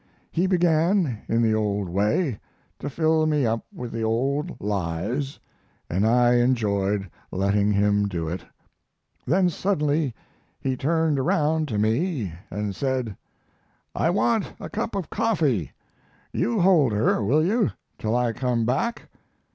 He began, in the old way, to fill me up with the old lies, and I enjoyed letting him do it. Then suddenly he turned round to me and said: "'I want to get a cup of coffee. You hold her, will you, till I come back?'